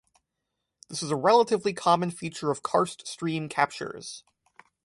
This is a relatively common feature of karst stream captures.